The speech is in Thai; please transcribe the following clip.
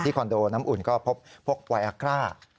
คอนโดน้ำอุ่นก็พบพวกไวอากร่า